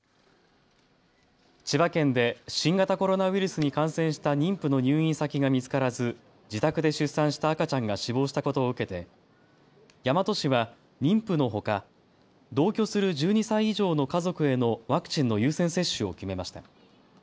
千葉県で新型コロナウイルスに感染した妊婦の入院先が見つからず、自宅で出産した赤ちゃんが死亡したことを受けて大和市は妊婦のほか同居する１２歳以上の家族へのワクチンの優先接種を決めました。